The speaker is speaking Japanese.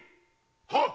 はっ！